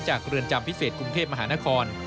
เรือนจำพิเศษกรุงเทพมหานคร